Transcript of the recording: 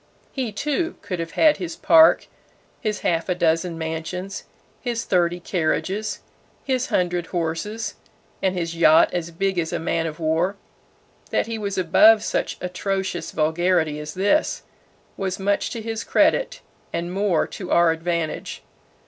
He, too, could have had his park, his half a dozen mansions, his thirty carriages, his hundred horses and his yacht as big as a man of war. That he was above such atrocious vulgarity as this, was much to his credit and more to our advantage.